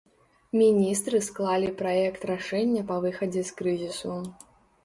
Міністры склалі праект рашэння па выхадзе з крызісу.